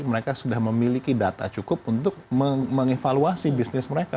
mereka sudah memiliki data cukup untuk mengevaluasi bisnis mereka